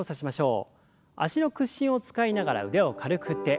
脚の屈伸を使いながら腕を軽く振って。